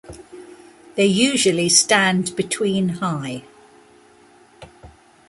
They usually stand between high.